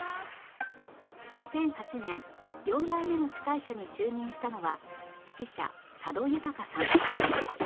２００８年４代目の司会者に就任したのは指揮者佐渡裕さん